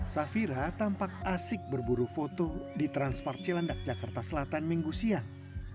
safira tampak asik berburu foto di transmarcilandak jakarta selatan minggu siang